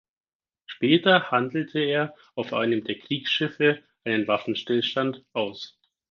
Später handelte er auf einem der Kriegsschiffe einen Waffenstillstand aus.